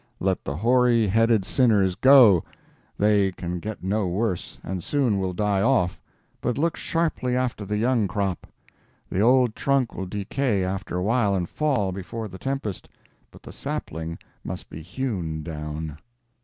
Let the hoary headed sinners go, they can get no worse, and soon will die off, but look sharply after the young crop. The old trunk will decay after a while and fall before the tempest, but the sapling must be hewn down.